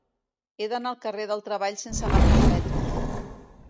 He d'anar al carrer del Treball sense agafar el metro.